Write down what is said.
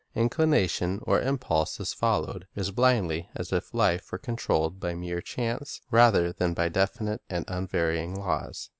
Inclination or impulse is followed as blindly as if life were controlled by mere chance rather than by definite and unvarying laws.